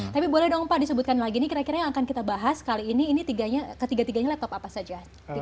tapi boleh dong pak disebutkan lagi ini kira kira yang akan kita bahas kali ini ketiga tiganya laptop apa saja